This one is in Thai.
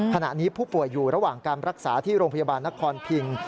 ขณะนี้ผู้ป่วยอยู่ระหว่างการรักษาที่โรงพยาบาลนครพิง